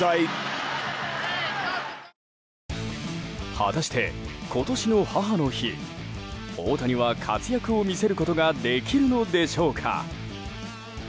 果たして、今年の母の日大谷は活躍を見せることができるのでしょうか。